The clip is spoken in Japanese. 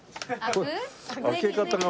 開け方が。